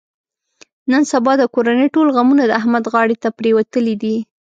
نن سبا د کورنۍ ټول غمونه د احمد غاړې ته پرېوتلي دي.